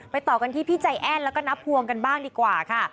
ต่อกันที่พี่ใจแอ้นแล้วก็นับพวงกันบ้างดีกว่าค่ะ